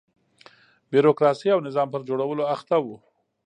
بیروکراسۍ او نظام پر جوړولو اخته و.